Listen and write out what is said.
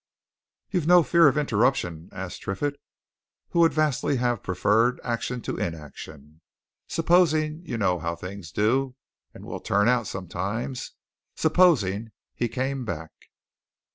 "You've no fear of interruption?" asked Triffitt, who would vastly have preferred action to inaction. "Supposing you know how things do and will turn out sometimes supposing he came back?"